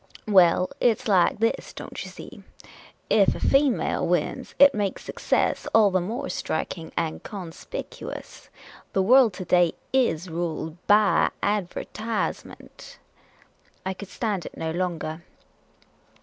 " Well, it 's like this, don't you see ; ef a female wins, it makes success all the more striking and con spicuous. The world to day is ruled by adver/w^ment." I could stand it no longer.